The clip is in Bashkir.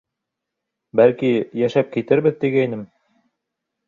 Бәлки, йәшәп китербеҙ, тигәйнем...